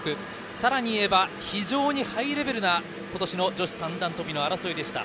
さらに、非常にハイレベルな今年の女子三段跳びの争いでした。